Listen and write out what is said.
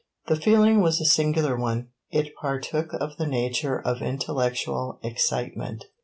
The feeling was a singular one. It partook of the nature of intellectual excitement.